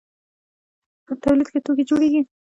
په تولید کې توکي جوړیږي.